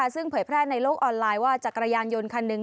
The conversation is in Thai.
ซึ่งเผยแพร่ในโลกออนไลน์ว่าจักรยานยนต์คันหนึ่ง